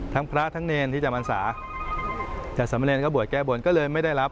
ทั้งพระทั้งเนรที่จำอันสาร์แต่สำเมรินก็บวชแก้บนก็เลยไม่ได้รับ